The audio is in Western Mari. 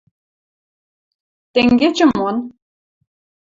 Тенгечӹ мон?